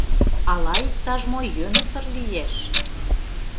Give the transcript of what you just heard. «Ала иктаж-мо йӧнысыр лиеш.